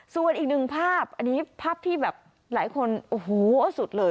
ส่วนอีกหนึ่งภาพอันนี้ภาพที่แบบหลายคนโอ้โหสุดเลย